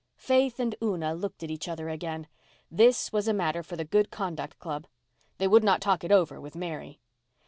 Faith and Una looked at each other again. This was a matter for the Good Conduct Club. They would not talk it over with Mary.